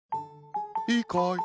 いいかい？